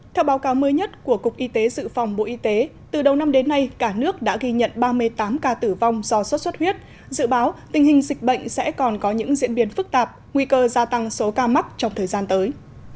theo báo cáo mới nhất của cục y tế dự phòng bộ y tế từ đầu năm đến nay cả nước đã ghi nhận ba mươi tám ca tử vong do sốt xuất huyết dự báo tình hình dịch bệnh sẽ còn có những diễn biến phức tạp nguy cơ gia tăng số ca mắc trong thời gian tới